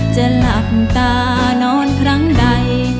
จะหลับตานอนครั้งใด